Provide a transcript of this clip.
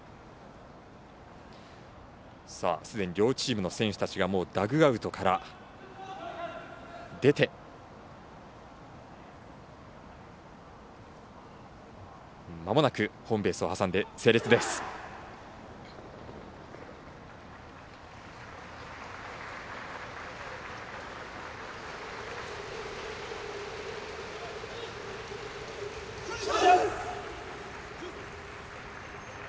すでに両チームの選手たちがダッグアウトから出てホームベースを挟んで整列です。